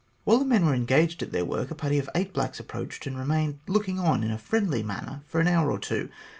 While the men were engaged at their work, a party of eight blacks approached, and remained look ing on in a friendly manner for an hour or two.